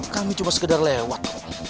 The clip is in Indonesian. kami cuma sekedar lewat